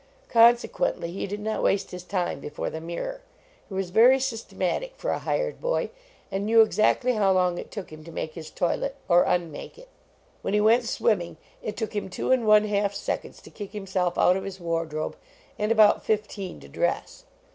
Consequently he did not waste his time before the mirror. He was very systematic for a hired boy, and knew exactly how long it took him to make his toilet, or unmake it. When he went swim ming it took him two and one half seconds to kick himself out of his wardrobe, and about fifteen to dress.